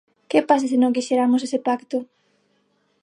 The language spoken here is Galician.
¿Que pasa se non quixeramos ese pacto?